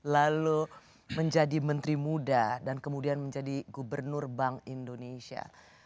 lalu menjadi menteri muda dan kemudian menjadi gubernur bank indonesia